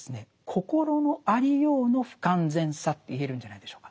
心のありようの不完全さと言えるんじゃないでしょうか。